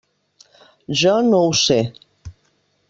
Jo no ho sé.